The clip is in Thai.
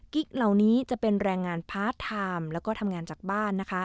เหล่านี้จะเป็นแรงงานพาร์ทไทม์แล้วก็ทำงานจากบ้านนะคะ